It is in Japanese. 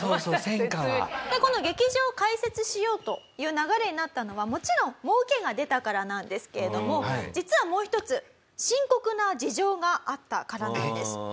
この劇場を開設しようという流れになったのはもちろん儲けが出たからなんですけれども実はもう１つ深刻な事情があったからなんです。